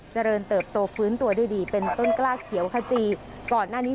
เจริญเติบโตฟื้นตัวได้ดีเป็นต้นกล้าเขียวขจีก่อนหน้านี้